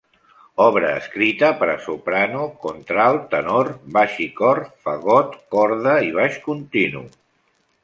Obra escrita per a soprano, contralt, tenor, baix i cor; fagot, corda i baix continu.